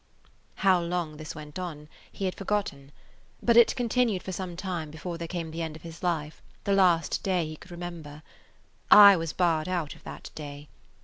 How long this went on he had forgotten; but it continued for some time before there came the end of his life, the last day he could remember. I was barred out of that day.